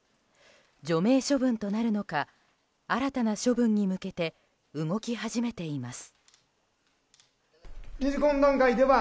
除名処分となるのか新たな処分に向けて動き始めています。